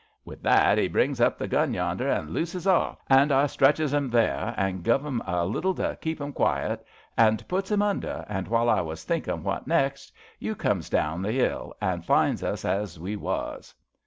With that 'e brings up the gun yonder and looses off, and I stretches 'im there, and guv him a little to keep 'im quiet, and puts 'im under, an' while I was thinkin' what nex', you comes down the 'ill, an' finds us as we was."